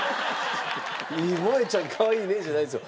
「萌ちゃんかわいいね」じゃないんですよ。